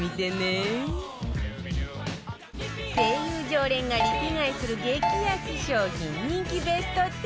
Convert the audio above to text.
常連がリピ買いする激安商品人気ベスト１０